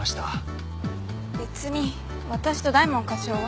別に私と大門課長は。